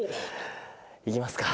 いきますか。